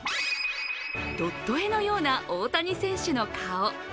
ドット絵のような大谷選手の顔。